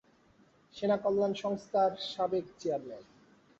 সেনা কল্যাণ সংস্থার সাবেক চেয়ারম্যান।